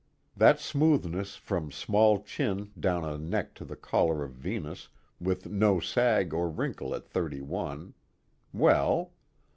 That smoothness from small chin down a slim neck to the collar of Venus with no sag or wrinkle at thirty one well.